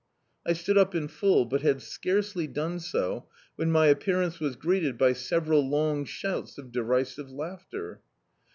I stood up in full, but had scarcely done so, when my appearance was greeted by several long shouts of derisive lau^ter.